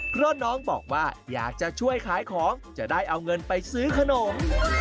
เพราะน้องบอกว่าอยากจะช่วยขายของจะได้เอาเงินไปซื้อขนม